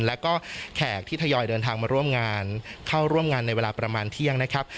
แล้วก็แขกที่ทยอยเดินทางมาร่วมงานเข้าร่วมงานในเวลาประมาณเที่ยงนะครับ